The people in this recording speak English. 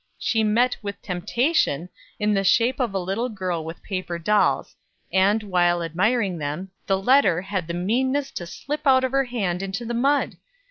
She met with temptation in the shape of a little girl with paper dolls; and, while admiring them, the letter had the meanness to slip out of her hand into the mud!